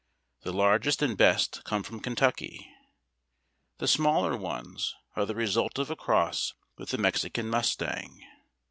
The largest and best come from Kentucky. The smaller ones are the result of a cross with the Mexican mustang.